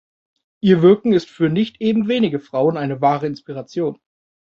Ihr Wirken ist für nicht eben wenige Frauen eine wahre Inspiration.